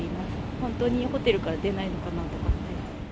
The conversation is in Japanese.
本当にホテルから出ないのかなとか。